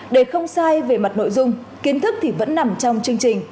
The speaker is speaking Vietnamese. để không sai về mặt nội dung kiến thức thì vẫn nằm trong chương trình